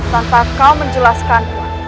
tanpa kau menjelaskanku